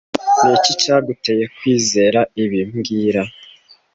Ni iki cyaguteye kwizera ibi mbwira